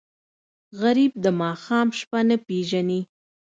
غریب د ماښام شپه نه پېژني